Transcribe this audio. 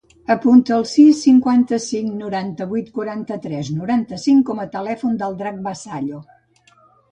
Apunta el sis, cinquanta-cinc, noranta-vuit, quaranta-tres, noranta-cinc com a telèfon del Drac Vasallo.